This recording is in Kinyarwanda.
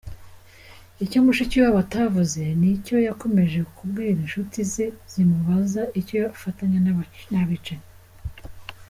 Icyo Mushikiwabo atavuze ni ibyo yakomeje kubwira inshuti ze zimubaza icyo afatanya n’abicanyi.